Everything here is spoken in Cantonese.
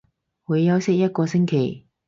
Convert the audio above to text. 會休息一個星期